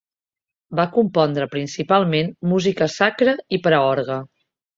Va compondre principalment música sacra i per a orgue.